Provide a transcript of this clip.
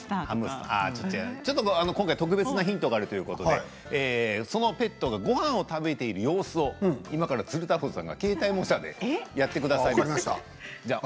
今回は特別なヒントがあるということでそのペットがごはんを食べている様子を今鶴太郎さんが形態模写でやってくださいます。